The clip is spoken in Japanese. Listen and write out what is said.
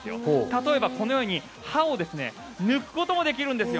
例えばこのように歯を抜くこともできるんです。